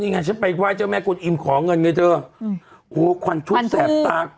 นี่ไงฉันไปไหว้เจ้าแม่กวนอิมขอเงินไงเธออืมโหควันชุดแสบตา